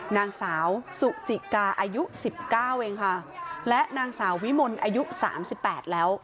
นางสาวสุจิกาอายุ๑๙เองค่ะและนางสาววิมลอายุ๓๘แล้ว